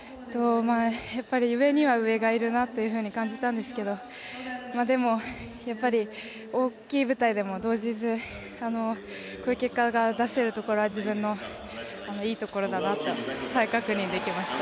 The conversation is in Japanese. やっぱり上には上がいるなと感じたんですけどでも、やっぱり大きい舞台でも動じずこういう結果が出せるところは自分のいいところだなと再確認できました。